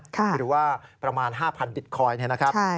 หรือว่าประมาณ๕๐๐บิตคอยน์นะครับ